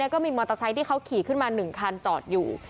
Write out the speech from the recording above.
ก็มีมอเตอร์ไซค์ที่เขาขี่ขึ้นมา๑คันจอดอยู่